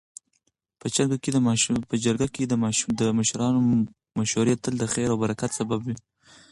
. په جرګه کي د مشرانو مشورې تل د خیر او برکت سبب وي.